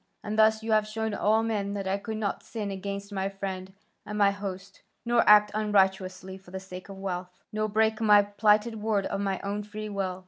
And thus you have shown all men that I could not sin against my friend and my host, nor act unrighteously for the sake of wealth, nor break my plighted word of my own free will.